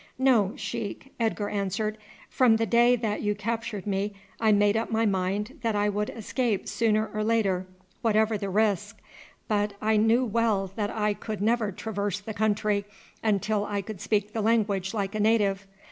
"No, sheik," Edgar answered. "From the day that you captured me I made up my mind that I would escape sooner or later, whatever the risk; but I knew well that I could never traverse the country until I could speak the language like a native.